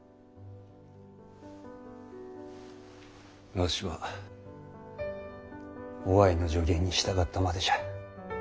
わしは於愛の助言に従ったまでじゃ。